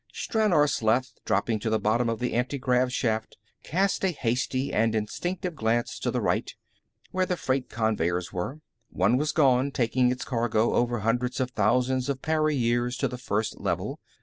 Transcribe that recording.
Stranor Sleth, dropping to the bottom of the antigrav shaft, cast a hasty and instinctive glance to the right, where the freight conveyers were. One was gone, taking its cargo over hundreds of thousands of para years to the First Level.